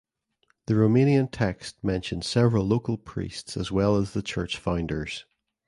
The Romanian text mentions several local priests as well as the church founders.